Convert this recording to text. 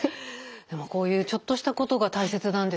こういうちょっとしたことが大切なんですね。